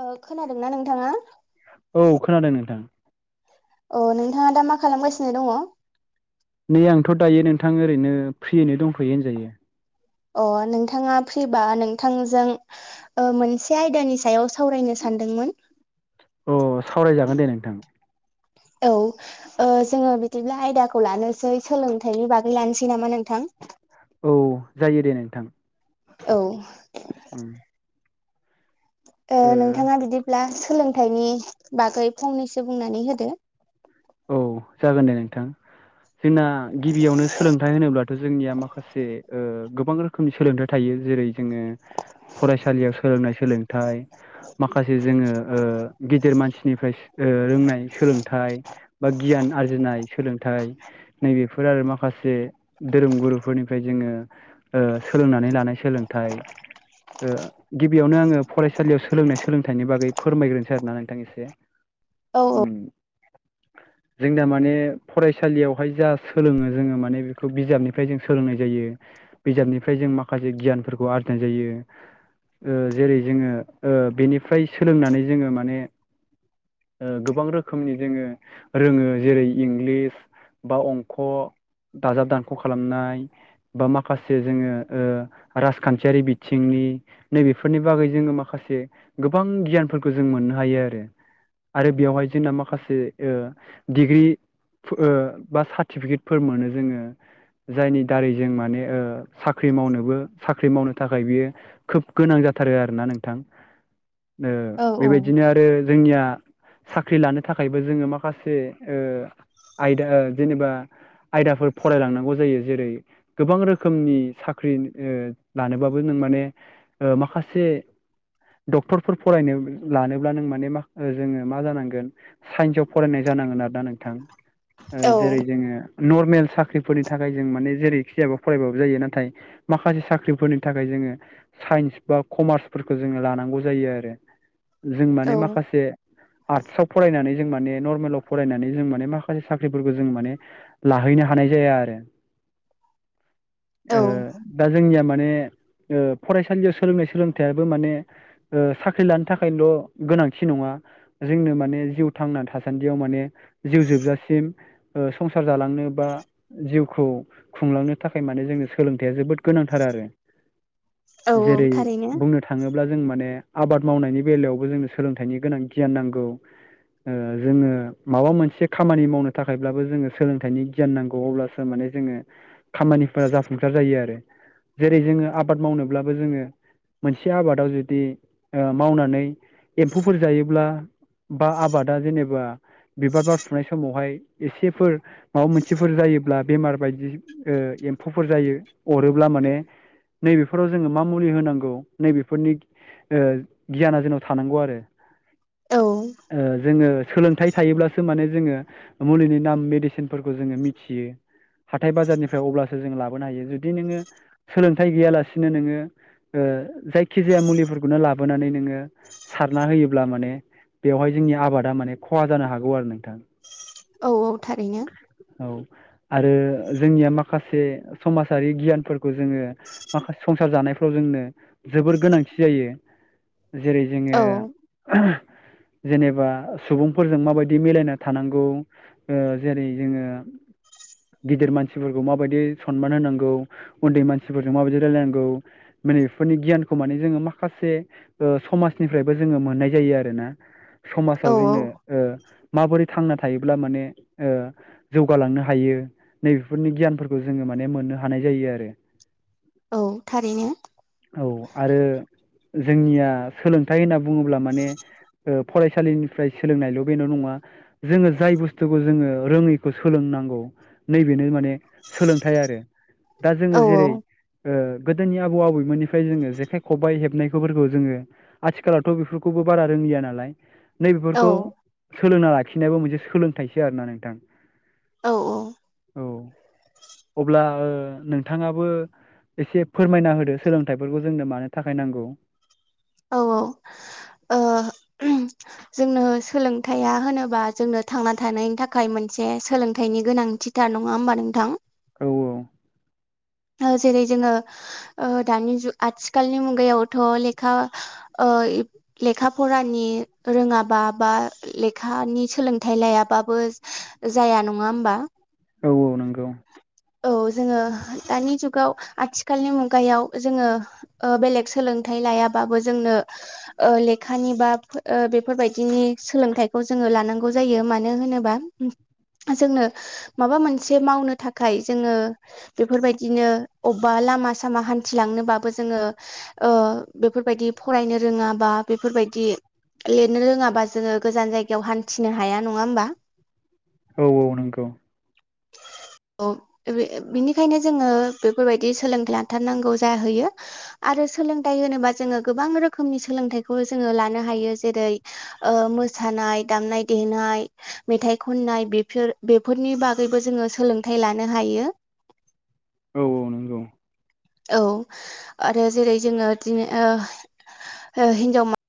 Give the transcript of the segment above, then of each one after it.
ओ खोनादोंना नोंथाङा? औ खोनादों नोंथां। अ नोंथाङा दा मा खालामगासिनो दङ? नै आंथ' दायो नोंथां ओरैनो फ्रियैनो दंथ'यो होनजायो। अह नोंथाङा फ्रिबा नोंथांजों मोनसे आयदानि सायाव सावरायनो सानदोंमोन। अ सावराय जागोन दे नोंथां। औ। जोङो बिदिब्ला आयदाखौ लानोसै सोलोंथाइनि बागै लानोसै नामा नोंथां? औ जायो दे नोंथां। औ। [inaudible] ओ नोंथाङा बिदिब्ला सोलोंथाइनि बागै फंनैसो बुंनानै होदो। औ जागोन दे नोंथां। जोंना गिबियावनो सोलोंथाइ होनोब्लाथ' जोंनिया माखासे गोबां रोखोम रोखोमनि सोलोंथाइ थायो जेरै जोङो फरायसालियाव सोलोंनाय सोलोंथाइ। माखासे जोङो गिदिर मानसिनिफ्राय रोंनाय सोलोंथाइ। बा गियान आरजिनाय सोलोंथाइ नै बेफोर आरो माखासे धोरोम गुरुफोरनिफ्राय जोङो सोलोंनानै लानाय सोलोंथाइ ओ गिबियावनो आङो फरायसालियाव सोलोंनाय सोलोंथाइनि बागै फोरमायग्रोनोसै आरो ना नोंथां एसे। उम द जों दा माने फरायसालियावहाय जा सोलोङो जोङो माने बेखौ बिजाबनिफ्राय जों सोलोंनाय जायो। बिजाबनिफ्राय जों माखासे गियानफोरखौ आरजिनाय जायो ओ जेरै ओ जोङो बेनिफ्राय सोलोंनानै जोङो माने ओ गोबां रोखोमनि जोङो रोङो जेरै इंग्लिस बा अंख' दाजाब दानख' खालामनाय बा माखासे जोङो ओ राजखान्थियारि बिथिंनि नैबेफोरनि बागै जोङो माखासे गोबां गियानफोरखौ जों मोननो हायो आरो। आरो बेवहाय जोंना माखासे ओ डिग्रि फोओ बा सार्टिफिकेटफोर मोनो जोङो। जायनि दारै जों माने ओ साख्रि मावनोबो साख्रि मावनो थाखाय बियो खोब गोनां जाथारो आरोना नोंथां। ओ औ औ बेबायदिनो आरो जोंनिया साख्रि लानो थाखायबो जोङो माखासे ओ आयदा जेनेबा आयदाफोर फरायलांनांगौ जायो जेरै गोबां रोखोमनि साख्रि ओ लानोबाबो नों माने ओ माखासे डक्टरफोर फरायनो लानोब्ला नों माने मा जोङो मा जानांगोन साइन्सआव फरायनाय जानांगोन आरो ना नोंथां औ जेरै जोङो नर्मेल साख्रिफोरनि थाखाय जों माने जेरैखि जाया फरायबाबो जायो नाथाय माखासे साख्रिफोरनि थाखाय जोङो साइन्स बा कमार्सफोरखौ जोङो लानांगौ जायो आरो। जों औ माने माखासे आर्टसआव फरायनानै जों माने नर्मेलाव फरायनानै जों माने माखासे साख्रिफोरखौ जों माने लाहैनो हानाय जाया आरो। [unintelligible] औ ओ दा जोंनिया माने ओ फरायसालियाव सोलोंनाय सोलोंथाइयाबो माने साख्रि लानो थाखायल' गोनांथि नङा जोंनो माने जिउ थांना थासान्दियाव माने जिउ जोबजासिम ओ संसार जालांनो बा जिउखौ खुंलांनो थाखाय माने जोंनो सोलोंथाइया जोबोद गोनांथार आरो। औ औ जेरै थारैनो बुंनो थाङ थाङोब्ला जों माने आबाद मावनायनि बेलायावबो जोंनो सोलोंथाइनि गोनां गियान नांगौ जोङो माबा मोनसे खामानि मावनो थाखायब्लाबो जोङो सोलोंथाइनि गियान नांगौ अब्लासो माने जोङो खामानिफोरा जाफुंसार जायो आरो जेरै जोङो आबाद मावनोब्लाबो जोङो मोनसे आबादाव जुदि ओ मावनानै एम्फौफोर जायोब्ला बा आबादा जेनेबा बिबार बारफुनाय समावहाय एसेफोर माबा मोनसेफोर जायोब्ला बेमार बायदि ओ एम्फौफोर जायो अरोब्ला माने। नैबेफोराव जोङो मा मुलि होनांगौ नैबेफोरनि ओ गियाना जोंनाव थानांगौ आरो औ ओ जोङो सोलोंथाइ थायोब्लासो माने जोङो मुलिनि नाम मेडिसिनफोरखौ जोङो मिथियो हाथाय बाजारनिफ्राय अब्लासो जों लाबोनो हायो जुदि नोङो सोलोंथाइ गैयालासिनो नोङो ओ जायखिजाया मुलिफोरखौनो लाबोनानै नोङो सारना होयोब्ला माने बेवहाय जोंनि आबादा माने खहा जानो हागौ आरो नोंथां। औ औ थारैनो औ आरो जोंनिया माखासे समाजारि गियानफोरखौ जोङो माखासे संसार जानायफ्राव जोंनो जोबोर गोनांथि जायो। जेरै जोङो औ जेनेबा सुबुंफोरजों माबायदि मिलायना थानांगौ ओ जेरै जोङो गिदिर मानसिफोरखौ माबायदि सनमान होनांगौ उन्दै मानसिफोरजों माबायदि रायलायनांगौ माने बेफोरनि गियानखौ माने जोङो माखासे समाजनिफ्रायबो जोङो मोननाय जायो आरोना औ समाजाव जोंनो माबोरै थांना थायोब्ला माने ओ जौगालांनो हायो नैबेफोरनि गियानफोरखौ जोङो माने मोननो हानाय जायो आरो। औ थारैनो औ आरो जोंनिया सोलोंथाइ होनना बुङोब्ला माने ओ फरायसालिनिफ्राय सोलोंनायल' बेल' नङा जोङो जाय बुस्थु बुस्थुखौ जोङो रोङैखौ सोलोंनांगौ नैबेनो माने सोलोंथाइ आरो दा जोङो औ जेरै ओ गोदोनि आबौ आबैमोननिफ्राय जोङो जेखाइ खबबाय हेबनायफोरखौ जोङो आथिखालावथ' बेफोरखौबो बारा रोंलिया नालाय नै औ बेेफोरखौ सोलोंना लाखिनायाबो मोनसे सोलोंथाइसो आरोना नोंथां। औ औ अब्ला ओ नों नोंथाङाबो एसे फोरमायना होदो सोलोंथाइफोरखौ जोंनो मानो थाखाय नांगौ औ औ ओ जोंनो सोलोंथाइया होनोबा जोंनो थांना थानायनि थाखाय मोनसे सोलोंथाइनि गोनांथि दा नङा होमबा नोंथां औ औ ओ जेरै जोङो ओ दानि जुग आथिखालनि मुगायावथ' लेखा ओ लेखा फरानि रोङाबा बा लेखानि सोलोंथाइ लायाबाबो जाया नङा होमबा औ औ नंगौ औ जोङो दानि जुगाव आथिखालनि मुगायाव जोङो ओ बेलेग सोलोंथाइ लायाबाबो जोंनो ओ लेखानि बा ओ बेफोरबायदिनि सोलोंथाइखौ जोङो लानांगौ जायो मानो होनोबा जोंनो माबा मोनसे मावनो थाखाय जोङो बेफोरबायदि बिदिनो अबेबा लामा सामा हान्थिलांनोबाबो जोङो ओ बेफोरबायदि फरायनो रोङाबा बेफोरबायदि लिरनो रोङाबा जोङो गोजान जायगायाव हान्थिनो हाया नङा होमबा औ औ नंगौ अ बे बिनिखायनो जोङो बेफोरबायदि सोलोंथाइ लाथारनांगौ जाहैयो आरो सोलोंथाइ होनोबा जोङो गोबां रोखोमनि सोलोंथाइखौ जोङो लानो हायो जेरै ओ मोसानाय दामनाय देनाय मेथाइ खननाय बेफोर बेफोरनि बागैबो जोङो सोलोंथाइ लानो हायो। औ औ नंगौ औ आरो जेरै जोङो इदि ओ ओ हिनजाव माहा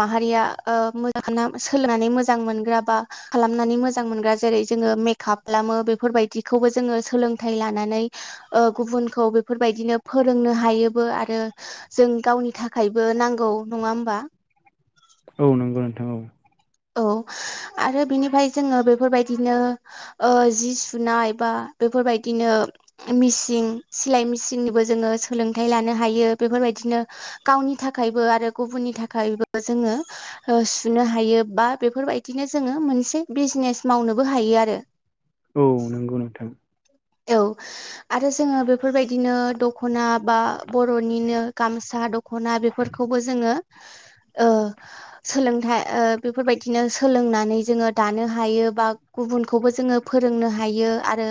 माहारिया ओ मोजा सोलोंनानै मोजां मोनग्रा बा खालामनानै मोजां मोनग्रा जेरै जोङो मेकआप खालामो बेफोरबायदिखौबो जोङो सोलोंथाइ लानानै ओ गुबुनखौ बेफोरबायदिनो फोरोंनो हायोबो आरो जों गावनि थाखायबो नांगौ नङा होमबा औ नंगौ नोंथां औ औ आरो बिनिफ्राय जोङो बेफोरबायदिनो ओ जि सुनाय बा बेफोरबायदिनो मेसिन सिलाय मेसिननिबो जोङो सोलोंथाइ लानो हायो बेफोरबायदिनो गावनि थाखायबो आरो गुबुननि थाखायबो जोङो ओ सुनो हायो। बा बेफोरबायदिनो जोङो मोनसे बिजनेस मावनोबो हायो आरो। औ नंगौ नोंथां औ आरो जोङो बेफोरबायदिनो दख'ना बा बर'निनो गामसा दख दख'ना बेफोरखौबो जोङो ओ सोलोंथाइ ओ बेफोरबायदिनो सोलोंनानै जोङो दानो हायो बा गुबुनखौबो जोंङो फोरोंनो हायो आरो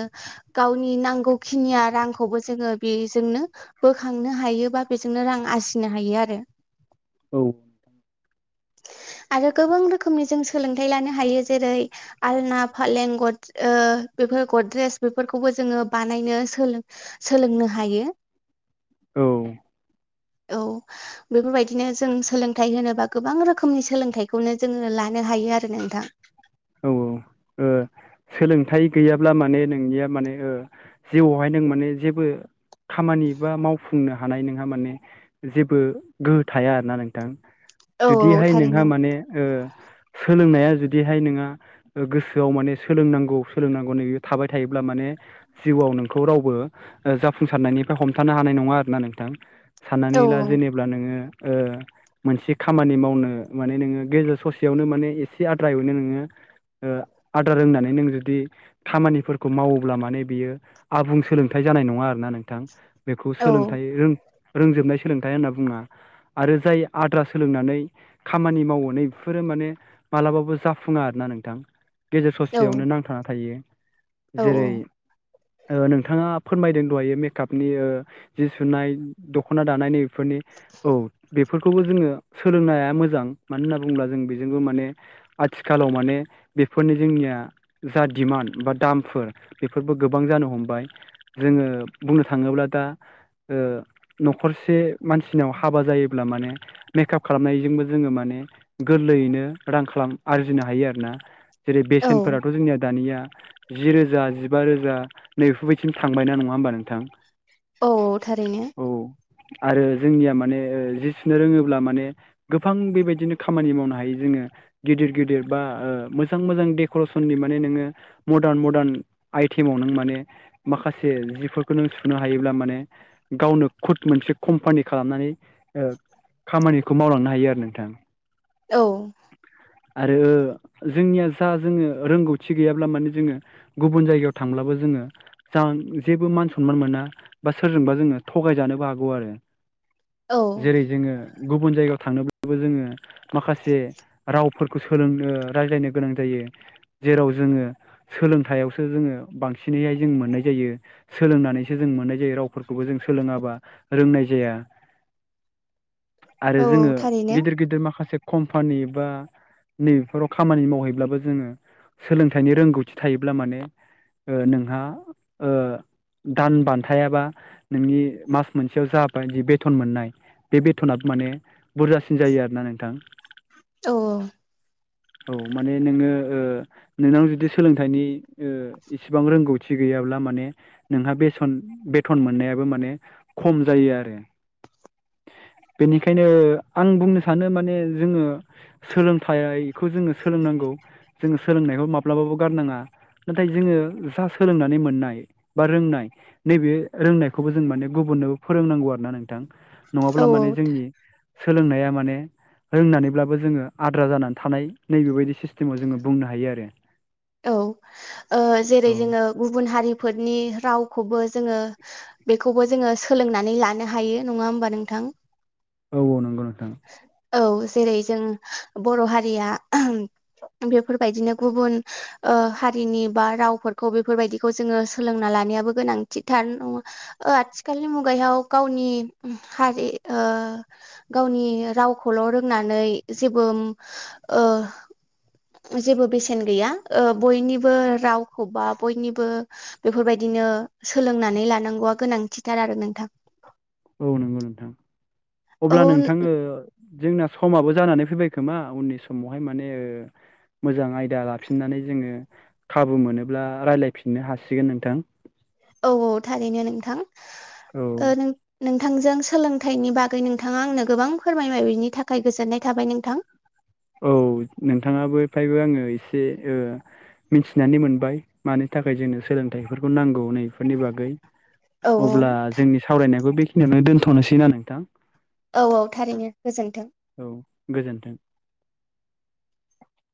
गावनि नांगौखिनिया रांखौबो जोंङो बेजोंनो बोखांनो हायोबा बेजोंनो रां आरजिनो हायो आरो। औ आरो गोबां रोखोमनि जों सोलोंथायाइ लानो हायो जेरै आलना फालें गद ओ बेफोर गद्रेस बे फोरखौबो जोंङो बानायनो सो-सोलोंनो हायो। औ औ बेफोरबायदिनो जों सोलोंथाइ होनोबा गोबां रोखोमनि सोलोंथाइखौनो जोंङो लानो हायो आरो नोंथां। औ ओ सोलोंथाइ गैयाब्ला माने नोंनिया ओ माने जिउआवहाय नों माने जेबो खामानि बा मावफुंनो हानाय नोंहा माने जेबो गोहो थाया आरोना नोंथां। औ औ जुदिहाय नोंहा थारैनो माने ओ सोलोंनाया जुदिहाय नोंङा गोसोआव माने सोलोंनांगौ सोलोंनांगौ नै थाबाय थायोब्ला माने जिउआव नोंखौ रावबो जाफुंसारनायनिफ्राय हमथानो हानाय नंङा आरोना नोंथां। औ साननानै ला जेनेब्ला नोंङो ओ मोनसे खामानि मावनो माने नोङो गेजेर ससेयावनो माने एसे आद्रायनो नोंङो ओ आदा रोंनानै नों जुदि खामानिफोरखौ मावोब्ला माने बियो आबुं सोलोंथाइ जानाय नंङा आरोना नोंथां। बेखौ औ सोलोंथाइों रोंजोबनाय सोलोंथाइ होनना बुंङा। आरो जाय आद्रा सोलोंनानै खामानि मावनानै बेफोरो माने मालाबाबो जाफुंङा आरोना नोंथां। गेजेर औ ससेयावनो नांथाना थायो औ जेरै नोंथाङा फोरमायदों दहायो मेकआपनि जि सुनाय दख'ना दानायनि फोरनि औ बे बेफोरखौबो जोंङो सोलोंनाया मोजां मानो होनना बुंङोब्ला जों बेजोंबो माने आथिखालाव माने फोरनि जोंनिया जा डिमान्ड बा दामफोर बेफोरबो गोबां जानो हमबाय जोंङो बुंनो थाङोब्ला दा न'खरसे मानसिनाव हाबा जायोब्ला माने मेकआप खालामनायजोंबो जोंङो माने गोरलैयैनो रां खालाम आरजिनो हायो आरोना। जेरै औ बेसेनफोराथ' जोंनिया दानिया जि रोजा जिबा रोजा नै बेफोरबायदिनो थांबाय ना नङा होमबा नोंथां औ थारैनो औ आरो जोंनिया माने जि सुनो रोंङोब्ला माने गोबां बेबायदिनो खामानि मावनो हायो जोंङो गिदिर गिदिर बा ओ मो जां मोजां डेकरेसननि मान नोङो मडार्न मदार्न आइटेमाव नों माने माखासे जिफोरखौ नों सुनो हायोब्ला माने गावनो खुद मोनसे कम्पानि खालामनानै खामानिखौ मावलांनो हायो आरो नोंथां। औ आरो जोंनिया जा जोंङो रोंगौथि गैयाब्ला माने जोंङो गुबुन जायगायाव थांब्लाबो जोंङो जान जेबो मान सनमान मोना बा सोरजोंबा जोंङो थगायजानोबो हागौ आरो। औ जेरै जोंङो गुबुन जायगायाव थांनोब्लाबो जोंङो माखासे रावफोरखौ सोलोंनो रायज्लायनो गोनां जायो जेराव जोंङो सोलोंथायाइयावसो जोंङो बांसिनैहाय जों मोननाय जायो। सोलोंनानैसो जों मोननाय जायो रावफोरखौबो जों सोलोङाबा रोंनाय जाया। आरो औ जोंङो थारैनो गिदिर गिदिर माखासे कम्पानि बा नैबेफोराव खामानि मावहै अब्लाबो जोंङो सोलोंथाइनि रोंगौथि थायोब्ला माने नोंहा ओ दान बान्थायाबा नोंनि मास मोनसेयाव जाबाय बि बेथन मोननाय। बे बेथना थ माने बुरजासिन जायो आरोना नोंथां? औ औ माने नोङो ओ नोंनाव जुदि सोलोंथाइनि इसिबांओ रोंगौथि गैयाब्ला माने नोंहा बेसन बेथन मोननायाबो माने खम जायो आरो। बेनिखायनो आं बुंनो सानो माने जोङो सोलोंथाइखौ जोङो सोलोंनांगौ जोङो सोलोंनायखौ माब्लाबाबो गारनाङा। नाथाय जोङो जा सोलोंनानै मोननाय बा रोंनाय नैबे रोंनायखौबो जों माने गुबुननोबो फोरोंनांगौ आरो ना नोंथां। औ नङाब्ला माने जोंनि सोलोंनाया माने रोंनानैब्लाबो जोङो आद्रा जानानै थानाय नैबेबायदि सिस्टेमाव जोङो बुंनो हायो। आरो- औ-औ जेरै औ जोङो गुबुन हारिफोरनि रावखौबो जोङो बेखौबो जोङो सोलोंनानै लानो हायो नङा होमबा नोंथां? औ औ नंगौ [inaudible] नोंथां [unintelligible] औ जेरै जों बर' हारिया बेफोरबायदिनो गुबुन ओ हारिनि बा रावफोरखौ बेफोरबायदिखौ जोङो सोलोंना लानायाबो गोनांथिथार नङा ओ आथिखालनि मुगायाव गावनि हारिओ गावनि रावखौल' रोंनानै जेबो ओ जेबो बेसेन गैया बयनिबो रावखौ बा बयनिबो बेफोरबायदिनो सोलोंनानै लानांगौआ गोनांथिथार आरो नोंथां औ नंगौ नोंथां। औ अब्ला नोंथाङो जोंना समाबो जानानै फैबाय खोमा उननि समावहाय माने ओ मोजां आयदा लाफिननानै जोङो खाबु मोनोब्ला रायज्लायफिननो हासिगोन नोंथां। औ औ थारैनो ओ नोंथां औ नोंथांजों सोलोंथाइनि बागै नोंथाङा आंनो गोबां फोरमायबाय बिनि थाखाय गोजोननाय थाबाय नोंथां। औ नोंथाङाबो फायबो आङो एसे मिथिनानै मोनबाय मानि थाखाय जोंनो सोलोंथाइफोरखौ नांगौ नैफोरनि बागै। औ अब्ला जोंनि सावरायनायखौ बेखिनियावनो दोनथ'नोसै ना नोंथां? औ-औ थारैनो गोजोनथों। औ गोजोन्थों।